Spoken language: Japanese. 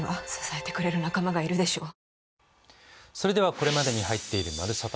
これまでに入っている「まるサタ」